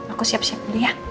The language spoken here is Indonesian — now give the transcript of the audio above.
aku siap siap beli ya